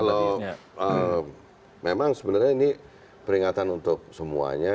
kalau memang sebenarnya ini peringatan untuk semuanya